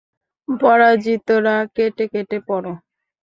পরাজিতরা কেটে কেটে পরো।